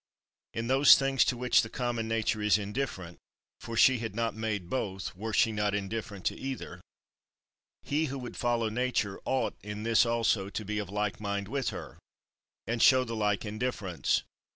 In those things to which the common nature is indifferent (for she had not made both, were she not indifferent to either), he who would follow Nature ought, in this also, to be of like mind with her, and shew the like indifference.